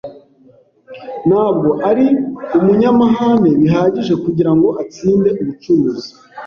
Ntabwo ari umunyamahane bihagije kugirango atsinde ubucuruzi.